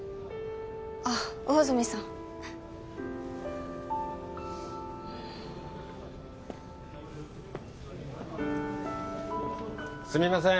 あっ魚住さんすみません